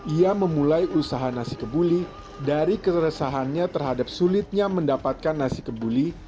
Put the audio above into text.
ia memulai usaha nasi kebuli dari keresahannya terhadap sulitnya mendapatkan nasi kebuli